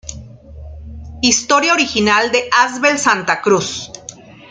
Historia original de Abel Santa Cruz.